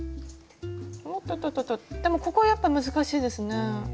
おっとととでもここはやっぱ難しいですね。